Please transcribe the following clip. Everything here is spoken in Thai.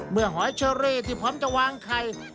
หอยเชอรี่ที่พร้อมจะวางไข่